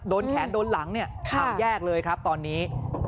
โดนแขนโดนหลังเนี่ยแยกเลยครับตอนนี้